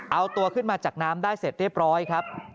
เอาตัวขึ้นมาจากน้ำได้เสร็จเรียบร้อยครับ